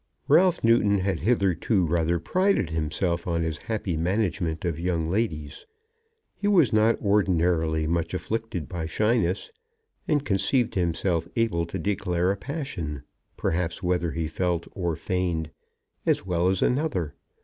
Ralph Newton had hitherto rather prided himself on his happy management of young ladies. He was not ordinarily much afflicted by shyness, and conceived himself able to declare a passion, perhaps whether felt or feigned, as well as another.